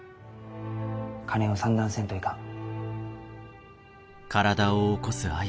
金を算段せんといかん。